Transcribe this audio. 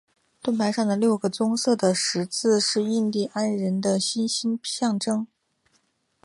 盾牌上的六个棕色的十字是印第安人的星星的象征。